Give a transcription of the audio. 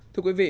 thưa quý vị